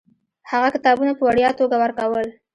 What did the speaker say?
هغه کتابونه په وړیا توګه ورکول.